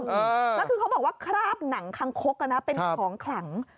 แล้วคือเขาบอกว่าคราบหนังคางคกเป็นของขลัง